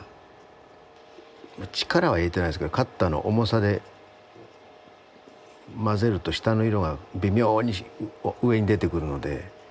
力は入れてないですけどカッターの重さで混ぜると下の色が微妙に上に出てくるので。